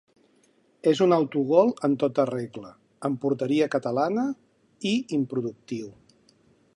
És un autogol en tota regla, en porteria catalana, i improductiu.